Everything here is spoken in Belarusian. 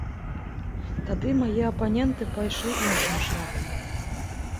Тады мае апаненты пайшлі іншым шляхам.